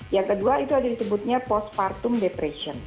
yang kedua itu disebutnya postpartum depression